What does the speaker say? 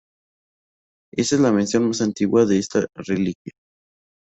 Esta es la mención más antigua de esta reliquia.